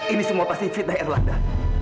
ini semua pasti fitnah erlanda